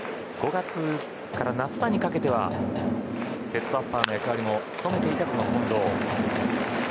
５月から夏場にかけてはセットアッパーの役割も務めていた近藤。